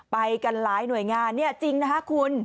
ไปกันหลายหน่วยงานเนี่ยจริงนะคะคุณ